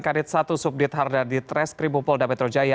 kadit satu subdit harda ditreskri bupolda petrojaya